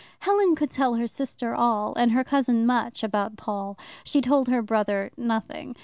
Helen could tell her sister all, and her cousin much about Paul; she told her brother nothing.